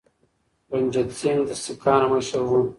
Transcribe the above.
رنجیت سنګ د سکانو مشر و.